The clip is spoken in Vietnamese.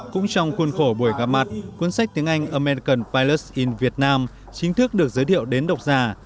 cũng trong khuôn khổ buổi gặp mặt cuốn sách tiếng anh american pilots in vietnam chính thức được giới thiệu đến độc giả